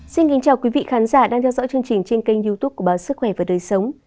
xin kính chào quý vị khán giả đang theo dõi chương trình trên kênh youtube của báo sức khỏe và đời sống